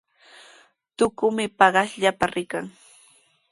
Tukumi paqaspalla rikan.